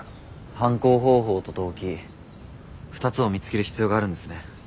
犯行方法と動機２つを見つける必要があるんですね。